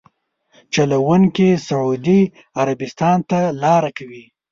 چلونکي سعودي عربستان ته لاره کوي.